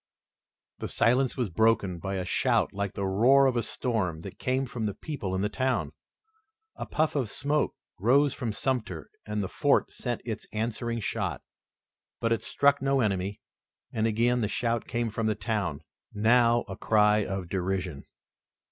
The silence was broken by a shout like the roar of a storm, that came from the people in the town. A puff of smoke rose from Sumter and the fort sent its answering shot, but it struck no enemy and again the shout came from the town, now a cry of derision.